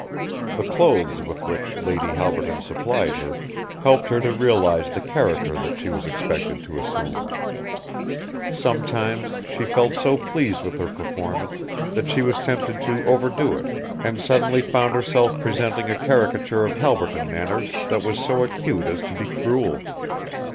The clothes with which Lady Halberton supplied her helped her to realise the character that she was expected to assume. Sometimes she felt so pleased with her performance that she was tempted to overdo it and suddenly found herself presenting a caricature of Halberton manners that was so acute as to be cruel.